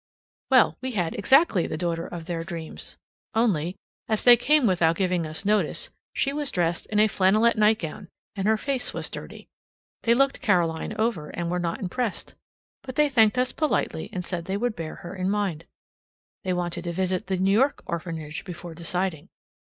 Well, we had exactly the daughter of their dreams, only, as they came without giving us notice, she was dressed in a flannellet nightgown, and her face was dirty. They looked Caroline over, and were not impressed; but they thanked us politely, and said they would bear her in mind. They wanted to visit the New York Orphanage before deciding.